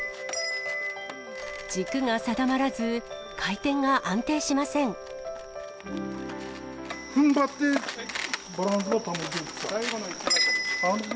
軸が定まらず、回転が安定しませふんばってバランスを保つ。